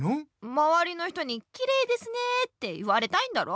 まわりの人にきれいですねって言われたいんだろ。